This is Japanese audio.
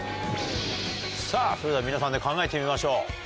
さあ、それでは皆さんで考えてみましょう。